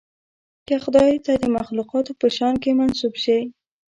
که خدای ته د مخلوقاتو په شأن کې منسوب شي.